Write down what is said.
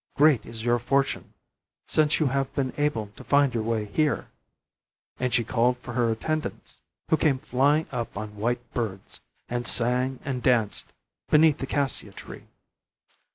Great is your fortune, since you have been able to find your way here!" And she called for her attendants, who came flying up on white birds, and sang and danced beneath the cassia tree.